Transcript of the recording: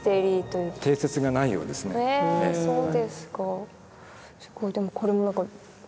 すごいでもこれも何か。